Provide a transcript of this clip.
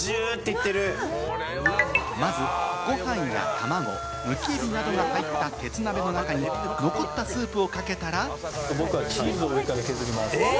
まず、ご飯やたまご、むきえびなどが入った鉄鍋の中に残ったスープをかけたら。